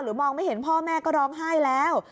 มองไม่เห็นพ่อแม่ก็ร้องไห้แล้ว